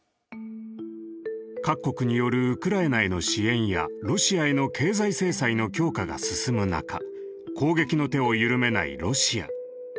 各国によるウクライナへの支援やロシアへの経済制裁の強化が進む中攻撃の手を緩めないロシア。